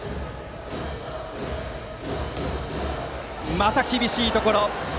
また厳しいところ。